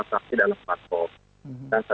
yang sudah sangat segera diundangkan